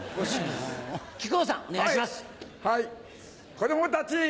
子供たち！